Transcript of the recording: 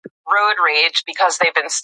هغه وایي چې علم رڼا ده.